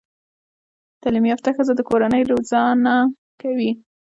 تعليم يافته ښځه د کورنۍ روزانه کوي